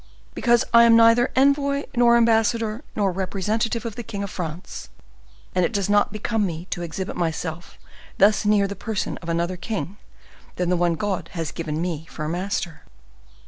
"Because I am neither envoy nor ambassador, nor representative of the king of France; and it does not become me to exhibit myself thus near the person of another king than the one God has given me for a master."